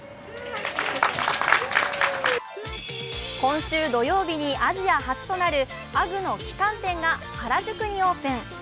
今週土曜日にアジア初となるＵＧＧの旗艦店が原宿にオープン。